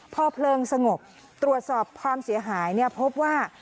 พอเพลิงสงบตรวจสอบความเสียหายพบว่า